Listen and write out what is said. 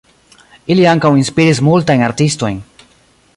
Ili ankaŭ inspiris multajn artistojn.